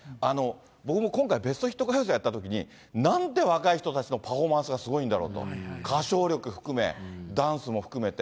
僕も今回、ベストヒット歌謡祭やったときに、なんて若い人たちのパフォーマンスはすごいんだろうと、歌唱力含め、ダンスも含めて。